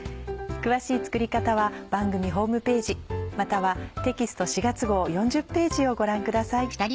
詳しい作り方は番組ホームページまたはテキスト４月号４０ページをご覧ください。